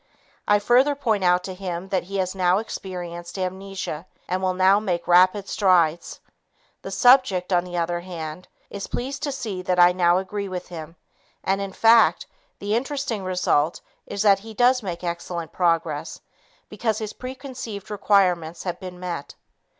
I further point out to him that he has now experienced amnesia and will now make rapid strides. The subject, on the other hand, is pleased to see that I now agree with him, and, in fact, the interesting result is that he does make excellent progress because his preconceived requirements have been met.